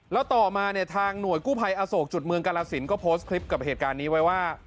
แล้วต่อมาเนี่ยทางหน่วยกู้ภัยอโศกจุดเมืองกาลสินก็โพสต์คลิปกับเหตุการณ์นี้ไว้ว่า